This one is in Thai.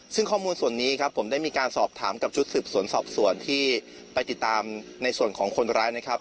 ซึ่งข้อมูลส่วนนี้ครับผมได้มีการสอบถามกับชุดสืบสวนสอบสวนที่ไปติดตามในส่วนของคนร้ายนะครับ